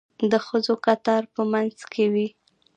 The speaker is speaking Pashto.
د ښځو کتار به په منځ کې وي.